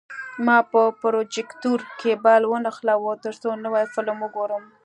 ما د پروجیکتور کیبل ونښلاوه، ترڅو نوی فلم وګورم.